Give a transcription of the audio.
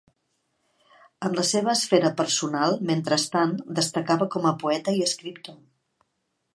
En la seva esfera personal, mentrestant, destacava com a poeta i escriptor.